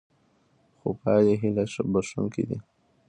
خو پایلې هیله بښوونکې دي.